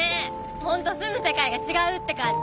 本当住む世界が違うって感じ。